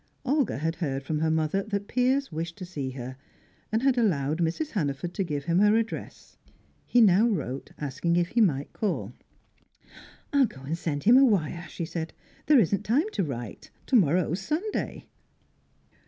Olga had heard from her mother that Piers wished to see her, and had allowed Mrs. Hannaford to give him her address; he now wrote asking if he might call. "I'll go and send him a wire," she said. "There isn't time to write. To morrow's Sunday."